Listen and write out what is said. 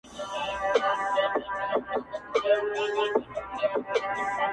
امتحان هر سړي پر ملا مات کړي.